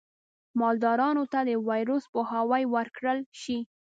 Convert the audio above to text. مالدارانو ته د ویروس پوهاوی ورکړل شي.